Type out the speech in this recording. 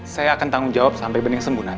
saya akan tanggung jawab sampai bening sembuh nanti